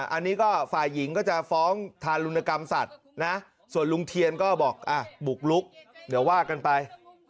อันนี้ก็ฝ่ายหญิงก็จะฟ้องทารุณกรรมสัตว์นะส่วนลุงเทียนก็บอกบุกลุกเดี๋ยวว่ากันไป